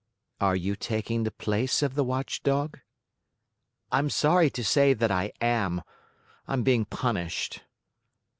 "Are you taking the place of the watchdog?" "I'm sorry to say that I am. I'm being punished."